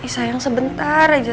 sayang sebentar aja